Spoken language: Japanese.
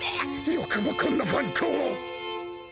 よくもこんな蛮行を！